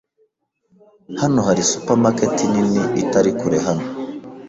Hano hari supermarket nini itari kure hano.